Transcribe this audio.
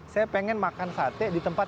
saya pengen makan sate di tempat